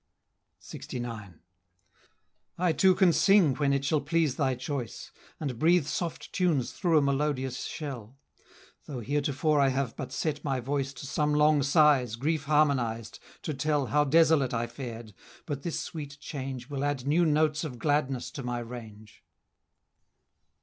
LXIX. "I too can sing when it shall please thy choice, And breathe soft tunes through a melodious shell, Though heretofore I have but set my voice To some long sighs, grief harmonized, to tell How desolate I fared; but this sweet change Will add new notes of gladness to my range!"